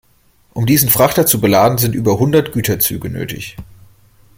Um diesen Frachter zu beladen, sind über hundert Güterzüge nötig.